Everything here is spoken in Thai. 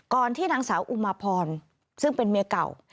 ที่นางสาวอุมาพรซึ่งเป็นเมียเก่า